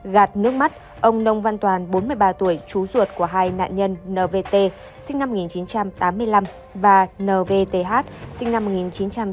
gạt nước mắt ông nông văn toàn bốn mươi ba tuổi chú ruột của hai nạn nhân nvt sinh năm một nghìn chín trăm tám mươi năm và nvth sinh năm một nghìn chín trăm tám mươi